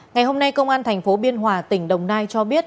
ngày hôm nay công an thành phố biên hòa tỉnh đồng nai cho biết